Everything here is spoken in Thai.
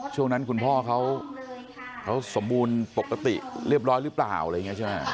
ช่วงนั้นคุณพ่อเขาสมบูรณ์ปกติเรียบร้อยหรือเปล่าอะไรอย่างนี้ใช่ไหม